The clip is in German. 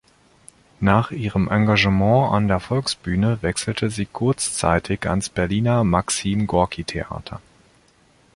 Nach ihrem Engagement an der Volksbühne wechselte sie kurzzeitig ans Berliner Maxim-Gorki-Theater.